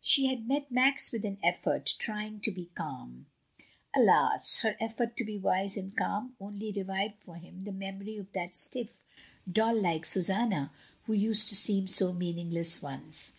She had met Max with an effort, trying to be calm. Alas! he: effort to be wise and calm only revived for him the memory of that stiff, doll like Susanna who used to seem so meaningless once.